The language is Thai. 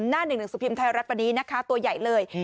หน้า๑๑สุขภิมธ์ไทยรัฐวันนี้นะคะตัวใหญ่เลย